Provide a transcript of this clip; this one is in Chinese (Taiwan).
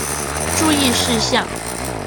注意事項